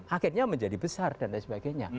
akhirnya menjadi besar dan lain sebagainya